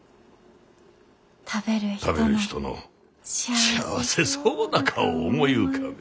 食べる人の幸せそうな顔を思い浮かべえ。